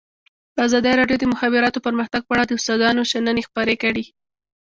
ازادي راډیو د د مخابراتو پرمختګ په اړه د استادانو شننې خپرې کړي.